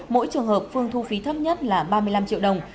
mỗi trường hợp phương thu phí thấp nhất là ba mươi năm triệu đồng